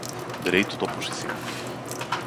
Dereito de oposición.